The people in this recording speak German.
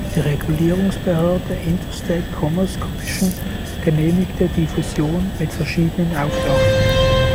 Die Regulierungsbehörde Interstate Commerce Commission genehmigte die Fusion mit verschiedenen Auflagen.